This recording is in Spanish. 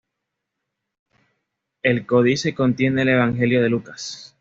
El códice contiene el "Evangelio de Lucas".